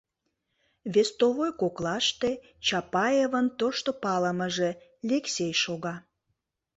Вестовой коклаште Чапаевын тошто палымыже Лексей шога.